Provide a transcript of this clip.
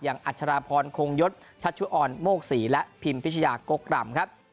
อัชราพรคงยศชัชชุออนโมกศรีและพิมพิชยากกรำครับ